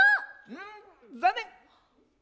うんざんねん！